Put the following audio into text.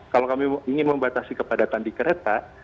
kalau kami ingin membatasi kepadatan di kereta